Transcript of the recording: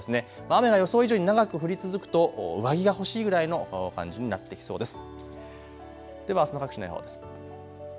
雨が予想以上に長く降り続くと上着が欲しいくらいの感じになってきそうです。